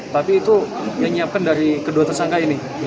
tapi itu yang menyiapkan dari kedua tersangka ini